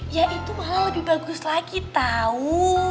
ya itu lebih bagus lagi tau